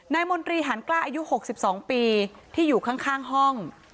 มนตรีหันกล้าอายุ๖๒ปีที่อยู่ข้างห้อง